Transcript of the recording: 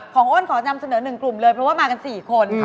โอนขอนำเสนอ๑กลุ่มเลยเพราะว่ามากัน๔คน